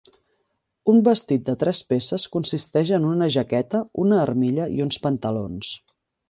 Un vestit de tres peces consisteix en una jaqueta, una armilla i uns pantalons.